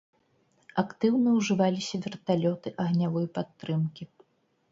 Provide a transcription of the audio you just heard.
Актыўна ўжываліся верталёты агнявой падтрымкі.